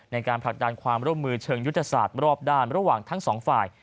ในการผลักดันความร่วมมือเชิงยุทธศาสตร์รอบด้านระหว่างทั้งสองฝ่าย